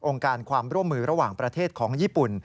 การความร่วมมือระหว่างประเทศของญี่ปุ่น